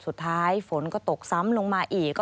สวัสดีค่ะสวัสดีค่ะ